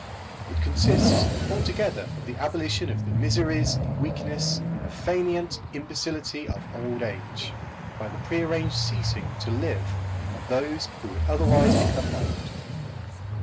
It consists altogether of the abolition of the miseries, weakness, and fainéant imbecility of old age, by the prearranged ceasing to live of those who would otherwise become old.